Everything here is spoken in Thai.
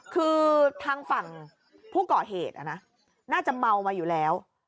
คือทางฝั่งผู้ก่อเหตุน่าจะเมามาอยู่แล้ว